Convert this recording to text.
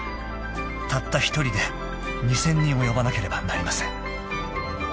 ［たった１人で２，０００人を呼ばなければなりません］